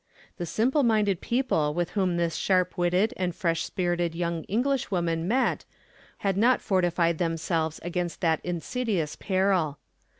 The simpleminded people with whom this sharp witted and fresh spirited young Englishwoman met had not fortified themselves against that insidious peril.